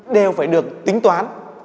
đều phải được tính toán